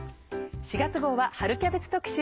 ４月号は春キャベツ特集。